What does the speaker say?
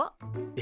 え？